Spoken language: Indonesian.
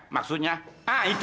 maksudnya ah itu